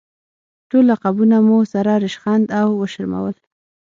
ټول لقبونه مو سره ریشخند او وشرمول.